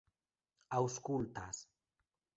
aŭskultas